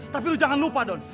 tapi lu jangan lupa dong